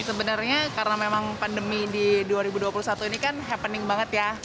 sebenarnya karena memang pandemi di dua ribu dua puluh satu ini kan happening banget ya